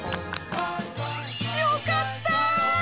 よかった！